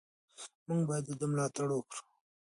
موږ باید د ده ملاتړ وکړو.